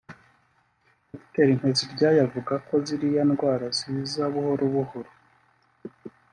Dr Nteziryayo avuga ko ziriya ndwara ziza buhoro buhoro